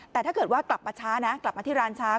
แต่ถ้าเกิดว่ากลับมาช้านะกลับมาที่ร้านช้า